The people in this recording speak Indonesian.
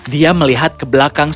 dia melihat ke belakang